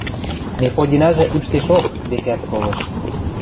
Мефодинӓжӹ ӱштешок, векӓт, колыш.